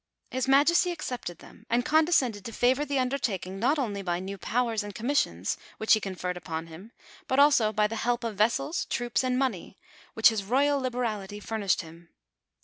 His nuijesty accepted them and condescended to favor the undertakincf not only by new powers and commissions, which he conferred upon him, but also by the help of vessels, troops, and money, which his royal liberality furnished him.